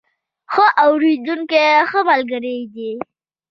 ښه اورېدونکي ښه ملګري دي.